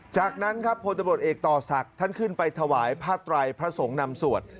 จากนั้นครับพลตำรวจเอกต่อศักดิ์ท่านขึ้นไปถวายผ้าไตรพระสงฆ์นำสวด